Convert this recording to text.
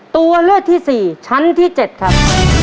ตัวเลือกที่๔ชั้นที่๗ครับ